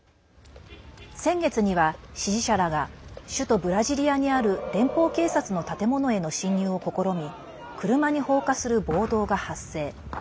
先月には支持者らが首都ブラジリアにある連邦警察の建物への侵入を試み車に放火する暴動が発生。